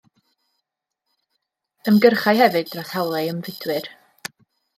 Ymgyrchai hefyd dros hawliau ymfudwyr.